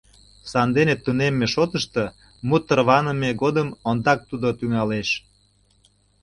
Сандене тунемме шотышто мут тарваныме годым ондак тудо тӱҥалеш.